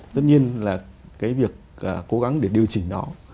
tất nhiên là cái việc cố gắng để điều chỉnh nó